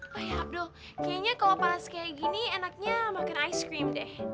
wah ya abduh kayaknya kalau panas kayak gini enaknya makan ice cream deh